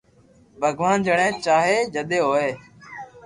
ڀگوان جڻي چائي جدي ھوئي